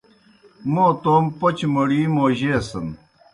موں تومہ پوْچہ موڑِی موجیسِن۔